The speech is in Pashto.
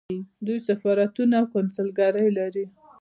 دوی سفارتونه او کونسلګرۍ لري.